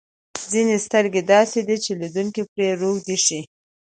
ځینې سترګې داسې دي چې لیدونکی پرې روږدی شي.